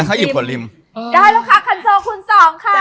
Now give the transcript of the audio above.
ได้แล้วค่ะคันโซลคุณสองค่ะ